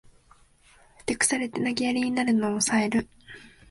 ふてくされて投げやりになるのをおさえる